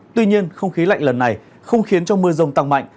tuy nhiên không khí lạnh lần này không khiến cho mưa rông tăng mạnh